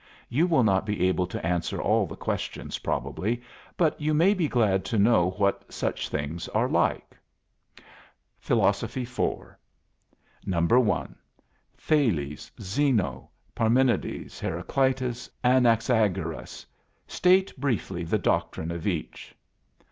You will not be able to answer all the questions, probably, but you may be glad to know what such things are like. PHILOSOPHY 4 1. Thales, Zeno, Parmenides, Heracleitos, Anaxagoras. State briefly the doctrine of each.